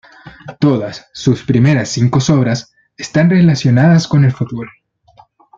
Todas sus primeras cinco obras están relacionadas con el fútbol.